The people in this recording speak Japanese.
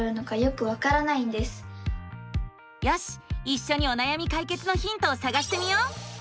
いっしょにおなやみ解決のヒントをさがしてみよう！